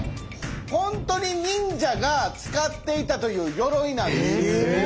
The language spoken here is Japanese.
本当に忍者が使っていたというよろいなんです。